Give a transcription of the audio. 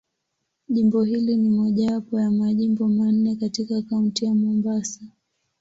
Jimbo hili ni mojawapo ya Majimbo manne katika Kaunti ya Mombasa.